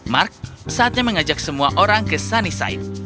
mark saatnya mengajak semua orang ke sunnyside